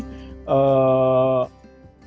kepala pengacara cornelia agata